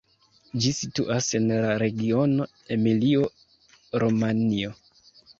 Ĝi situas en la regiono Emilio-Romanjo.